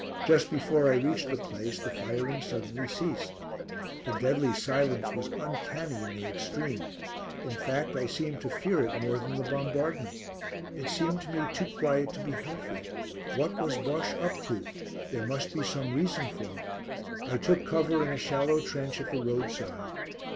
Just before I reached the place the firing suddenly ceased. The deadly silence was uncanny in the extreme; in fact I seemed to fear it more than the bombardment. It seemed to me too quiet to be healthy. What was Bosche up to? There must be some reason for it. I took cover in a shallow trench at the roadside.